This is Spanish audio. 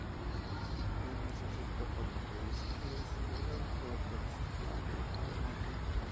Gene se acepta por lo que es y es celebrado por todos los emoji.